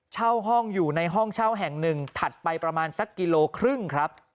เช่าห้องอยู่ในห้องเช่าแห่งหนึ่งถัดไปประมาณสักกิโลครึ่งครับ